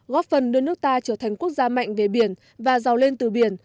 góp phần đưa nước ta trở thành quốc gia mạnh về biển và giàu lên từ biển